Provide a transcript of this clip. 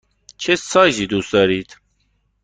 چه سایزی دوست دارید؟